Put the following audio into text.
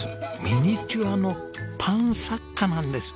ミニチュアのパン作家なんです。